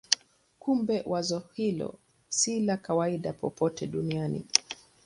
Kumbe wazo hilo si la kawaida popote duniani.